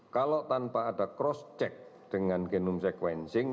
kalau tanpa ada cross check dengan genome sequencing